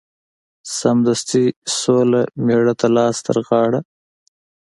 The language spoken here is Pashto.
سمدستي سوله مېړه ته لاس ترغاړه